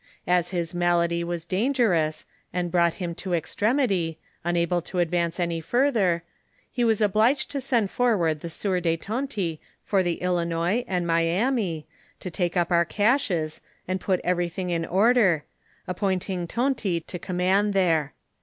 As his malady was dan gerous, and brought him to exti*emity, unable to advance any further, he was obliged to send forward the sieur de Tonty for the Ilinois and Miamis, to take up our caches^ and put everything in order, appointing Tonty to command there.